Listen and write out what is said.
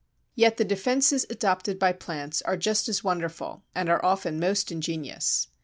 Yet the defences adopted by plants are just as wonderful, and are often most ingenious.